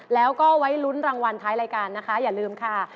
แล้วก็ไว้ลุ้นรางวัลท้ายรายการนะคะอย่าลืมค่ะ